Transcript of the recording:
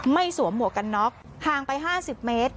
สวมหมวกกันน็อกห่างไป๕๐เมตร